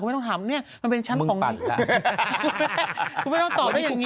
ผมไม่ต้องถามมันเป็นชั้นของคุณไม่ต้องตอบได้อย่างนี้